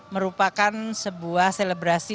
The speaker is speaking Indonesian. merupakan sebuah selebrasi